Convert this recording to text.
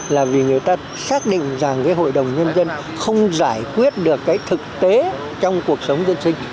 là vì người ta xác định rằng cái hội đồng nhân dân không giải quyết được cái thực tế trong cuộc sống dân sinh